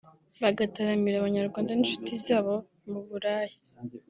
bagataramira Abanyarwanda n’inshuti zabo mu Burayi